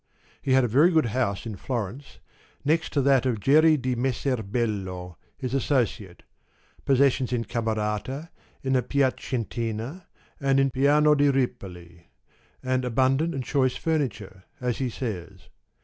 He had a very good house in Florence, next to that of Geri di Messer Bello, his associate ; possessions in Camerata, in the Piacentina and in Piano di Ripoli; and abundant and choice furniture, as he says.